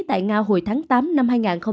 tại nga hồi tháng tám năm hai nghìn hai mươi ba